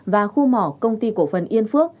và khu mỏ công ty cổ phần yên phước